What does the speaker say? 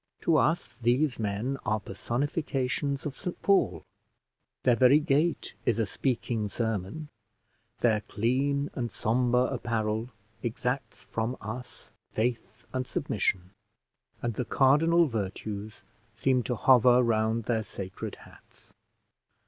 To us these men are personifications of St Paul; their very gait is a speaking sermon; their clean and sombre apparel exacts from us faith and submission, and the cardinal virtues seem to hover round their sacred hats.